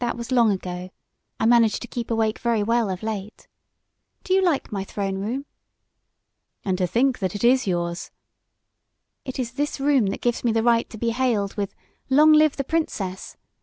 That was long ago. I manage to keep awake very well of late. Do you like my throne room?" "And to think that it is yours!" "It is this room that gives me the right to be hailed with 'Long live the Princess!'